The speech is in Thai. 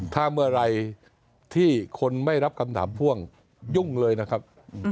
ถ้าเมื่อไหร่ที่คนไม่รับคำถามพ่วงยุ่งเลยนะครับ